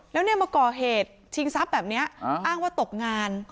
แล้วเนี่ยมาก่อเหตุชิงทรัพย์แบบนี้อ้างว่าตกงาน